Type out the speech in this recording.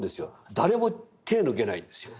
誰も手抜けないんですよ。